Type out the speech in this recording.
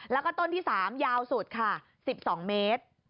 แล้วก็ต้นที่๓ยาวสุดค่ะ๑๒เมตร